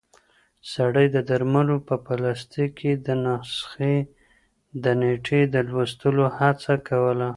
سړی د درملو په پلاستیک کې د نسخې د نیټې د لوستلو هڅه کوله.